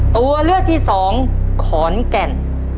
ตัวเลือกที่สองขอนแก่น